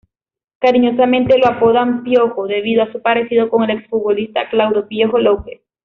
Cariñosamente lo apodan "Piojo" debido a su parecido con el exfutbolista Claudio Piojo López.